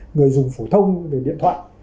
người dùng phổ thông về điện thoại